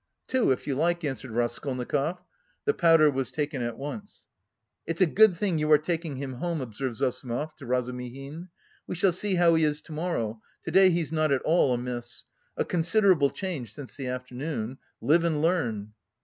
"Two, if you like," answered Raskolnikov. The powder was taken at once. "It's a good thing you are taking him home," observed Zossimov to Razumihin "we shall see how he is to morrow, to day he's not at all amiss a considerable change since the afternoon. Live and learn..."